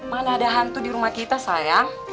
mana ada hantu di rumah kita sayang